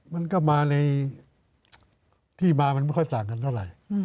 มันก็มาในที่มามันไม่ค่อยต่างกันเท่าไหร่